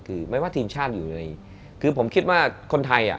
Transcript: คือไม่ว่าทีมชาติอยู่ในคือผมคิดว่าคนไทยอ่ะ